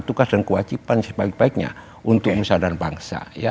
tugas dan kewajiban sebaik baiknya untuk nusa dan bangsa